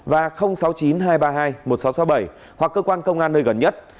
và sáu mươi chín hai trăm ba mươi hai một nghìn sáu trăm sáu mươi bảy hoặc cơ quan công an nơi gần nhất